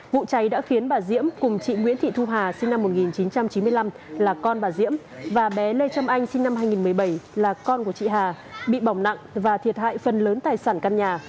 vụ cháy đã khiến bà diễm cùng chị nguyễn thị thu hà sinh năm một nghìn chín trăm chín mươi năm là con bà diễm và bé lê trâm anh sinh năm hai nghìn một mươi bảy là con của chị hà bị bỏng nặng và thiệt hại phần lớn tài sản căn nhà